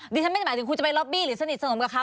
ดิฉันไม่ได้หมายถึงคุณจะไปล็อบบี้หรือสนิทสนมกับเขา